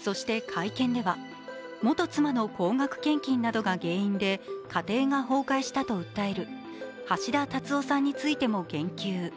そして会見では元妻の高額献金などが原因で家庭が崩壊したと訴える橋田達夫さんについても言及。